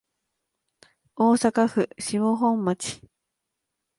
大阪府島本町